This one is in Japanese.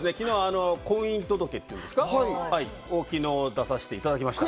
婚姻届っていうんですか、昨日出させていただきました。